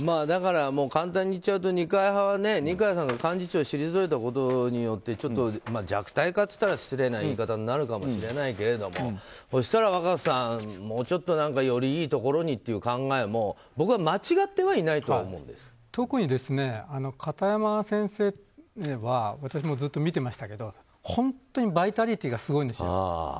だから、簡単に言えば二階派は二階さんが幹事長を退いたことでちょっと弱体化と言ったら失礼な言い方になるかもしれないけれどもそうしたら若狭さんもうちょっとより良いところにという考えも僕は間違ってはいないと特に片山先生は私もずっと見てましたけど本当にバイタリティーがすごいんですよ。